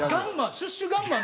「シュッシュ・ガンマン」？